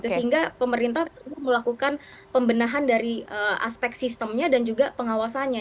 sehingga pemerintah perlu melakukan pembenahan dari aspek sistemnya dan juga pengawasannya